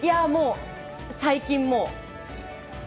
最近、もう。